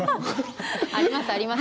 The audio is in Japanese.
あります、あります。